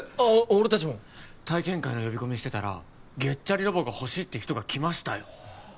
俺達も体験会の呼び込みしてたらゲッチャリロボがほしいって人が来ましたよ